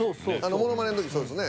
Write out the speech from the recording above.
ものまねの時そうですね。